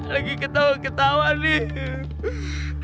lagi ketawa ketawa nih